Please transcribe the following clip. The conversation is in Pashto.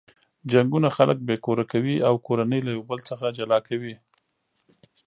جنګونه خلک بې کوره کوي او کورنۍ له یو بل څخه جلا کوي.